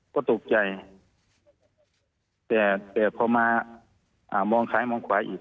ก็ตกใจแต่แต่พอมามองซ้ายมองขวาอีก